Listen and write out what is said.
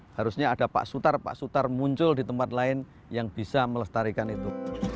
harusnya ada pak sutar pak sutar muncul di tempat lain yang bisa melestarikan itu